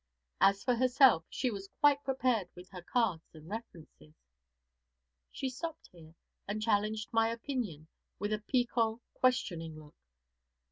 As for herself, she was quite prepared with her cards and references.' She stopped here, and challenged my opinion with a piquant, questioning look.